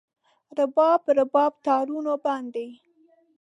رباب، رباب تارونو باندې